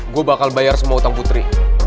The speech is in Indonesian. gue bakal bayar semua utang putri